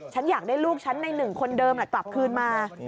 ฉันอยากได้ลูกฉันในหนึ่งคนเดิมกลับคืนมา